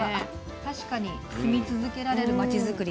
確かに「住み続けられるまちづくり」。